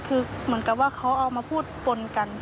คือเหมือนกับว่าเขาเอามาพูดปนกัน